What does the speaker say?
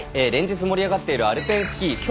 連日、盛り上がっているアルペンスキー。